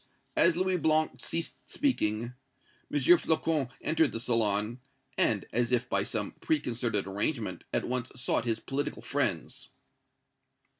As Louis Blanc ceased speaking, M. Flocon entered the salon, and, as if by some preconcerted arrangement, at once sought his political friends.